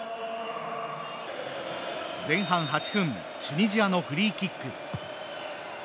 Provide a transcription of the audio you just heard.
前半８分チュニジアのフリーキック。